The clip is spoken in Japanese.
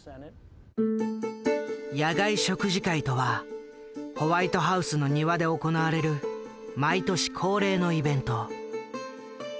「野外食事会」とはホワイトハウスの庭で行われる毎年恒例のイベント。